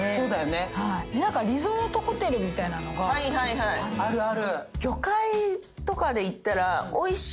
何かリゾートホテルみたいなのがあるんですよ。